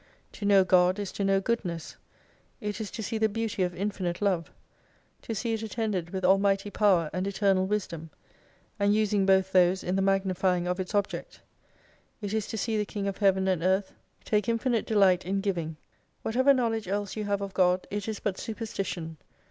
To know God is to know Good ness. It is to see the beauty of infinite Love : To see it attended with Almighty Power and Eternal Wisdom ; and using both those in the magnifying of its object. It is to see the King of Heaven and Earth take infinite II delight in Giving. Whatever knowledge else you have of God, it is but Superstition.